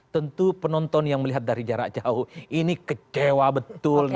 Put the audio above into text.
tentu penonton yang melihat dari jarak jauh ini kecewa betul